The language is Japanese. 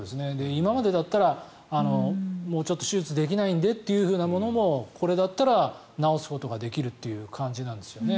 今までだったらもう、ちょっと手術できないのでというのもこれだったら手術できるという感じなんですよね。